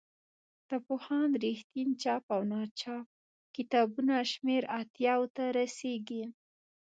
د پوهاند رښتین چاپ او ناچاپ کتابونو شمېر اتیاوو ته رسیږي.